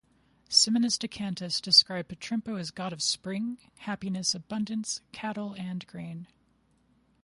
Simonas Daukantas described Potrimpo as god of spring, happiness, abundance, cattle and grain.